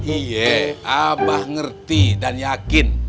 iya abah ngerti dan yakin